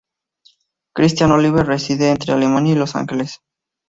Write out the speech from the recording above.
Christian Oliver reside entre Alemania y Los Ángeles.